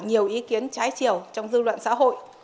nhiều ý kiến trái chiều trong dư luận xã hội